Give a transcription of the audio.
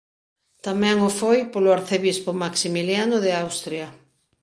Tamén o foi polo arcebispo Maximiliano de Austria.